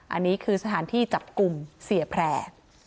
อันนี้คือสถานที่จับกลุ่มเสียแพร่